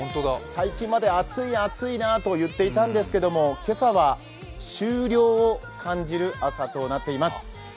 最近まで暑い暑いなと言っていたんですけど、今朝は秋涼を感じる朝となっています。